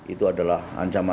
itu adalah ancaman